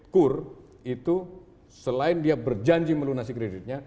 kur itu selain dia berjanji melunasi kreditnya